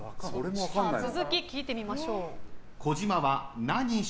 続き聞いてみましょう。